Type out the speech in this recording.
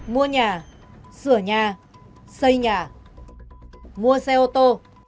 mua nhà sửa nhà xây nhà mua xe ô tô